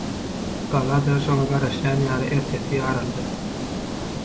Gala-da şoňa garaşan ýaly ertesi ýaryldy.